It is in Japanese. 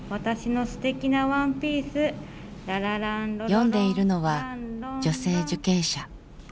読んでいるのは女性受刑者。